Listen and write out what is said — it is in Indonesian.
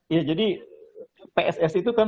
ya jadi pssi itu kan